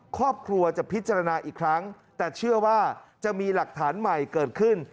ครอบครัวจะพิจารณาอีกครั้งแต่เชื่อว่าจะมีหลักฐานใหม่เกิดขึ้น